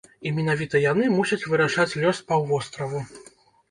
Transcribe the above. І менавіта яны мусяць вырашаць лёс паўвостраву.